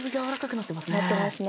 なってますね。